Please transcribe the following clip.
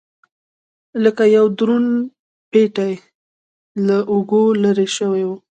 لکه یو دروند پېټی یې له اوږو لرې شوی و.